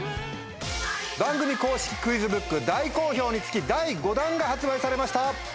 番組公式クイズブック大好評につき第５弾が発売されました。